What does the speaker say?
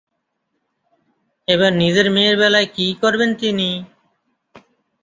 এবার নিজের মেয়ের বেলায় কি করবেন তিনি?